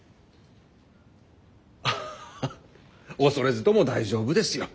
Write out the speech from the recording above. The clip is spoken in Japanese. ハハ恐れずとも大丈夫ですよ。